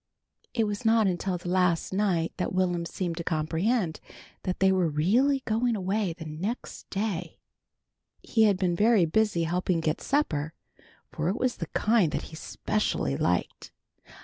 It was not until the last night that Will'm seemed to comprehend that they were really going away the next day. [Illustration: "Oh, rabbit dravy!" he cried] He had been very busy helping get supper, for it was the kind that he specially liked.